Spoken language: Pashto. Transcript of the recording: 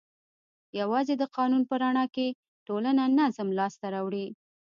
یوازې د قانون په رڼا کې ټولنه نظم لاس ته راوړي.